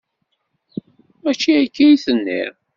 Mačči akka i d-tenniḍ.